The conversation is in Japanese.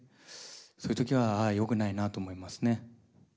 そういう時はあよくないなと思いますね。